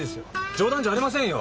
冗談じゃありませんよ！